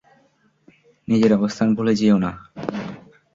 নিজের অবস্থান ভুলে যেও না।